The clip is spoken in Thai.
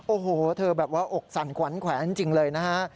โอ้โหเธอแบบว่าอกสั่นขวัญแขวนจริงเลยนะฮะ